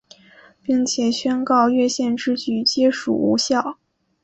并且宣告越线之举皆属无效。